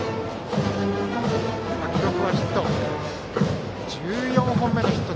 記録はヒット。